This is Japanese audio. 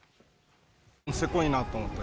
せこいなと思って。